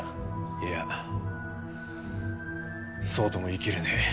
いやそうとも言いきれねえ。